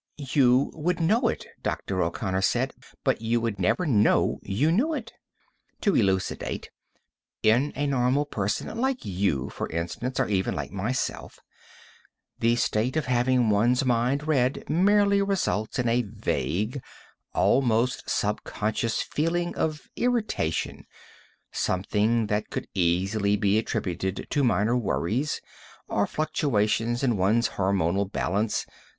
"You would know it," Dr. O'Connor said, "but you would never know you knew it. To elucidate: in a normal person like you, for instance, or even like myself the state of having one's mind read merely results in a vague, almost subconscious feeling of irritation, something that could easily be attributed to minor worries, or fluctuations in one's hormonal balance.